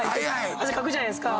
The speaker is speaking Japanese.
汗かくじゃないですか。